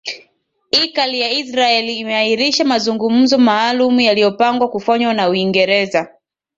ikali ya israel imeahirisha mazungumzo maalum yaliopangwa kufanywa na uingereza